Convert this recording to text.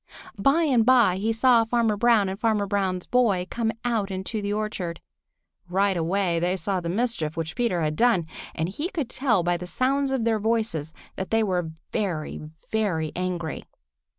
By and by he saw Farmer Brown and Farmer Brown's boy come out into the orchard. Right away they saw the mischief which Peter had done, and he could tell by the sound of their voices that they were very, very angry.